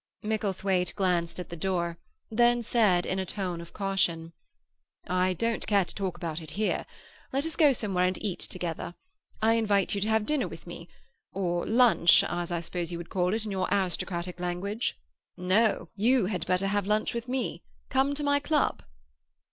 Micklethwaite glanced at the door, then said in a tone of caution,— "I don't care to talk about it here. Let us go somewhere and eat together. I invite you to have dinner with me—or lunch, as I suppose you would call it, in your aristocratic language." "No, you had better have lunch with me. Come to my club."